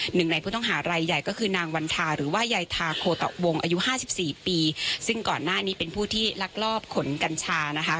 หนึ่งในผู้ต้องหารายใหญ่ก็คือนางวันทาหรือว่ายายทาโคตะวงอายุห้าสิบสี่ปีซึ่งก่อนหน้านี้เป็นผู้ที่ลักลอบขนกัญชานะคะ